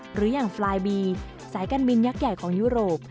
หรืออย่างฟลายบีสายการบินยักษ์ใหญ่ของยุโรป